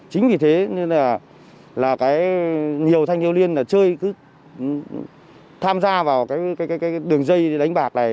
chính vì thế nên là nhiều thanh thiếu liên chơi tham gia vào đường dây đánh bạc này